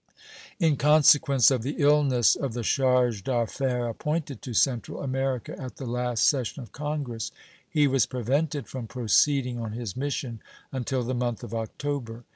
In consequence of the illness of the charge d'affaires appointed to Central America at the last session of Congress, he was prevented from proceeding on his mission until the month of October.